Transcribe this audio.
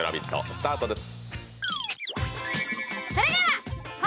スタートです。